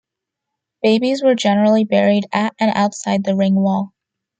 Babies were generally buried at and outside the ring-wall.